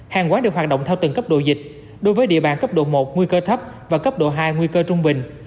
hàng quán được hoạt động theo từng cấp độ dịch đối với địa bàn cấp độ một nguy cơ thấp và cấp độ hai nguy cơ trung bình